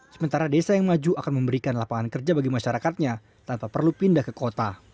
sementara desa yang maju akan memberikan lapangan kerja bagi masyarakatnya tanpa perlu pindah ke kota